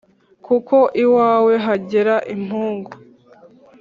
kuko iwawe hagera impungu